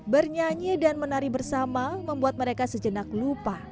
bernyanyi dan menari bersama membuat mereka sejenak lupa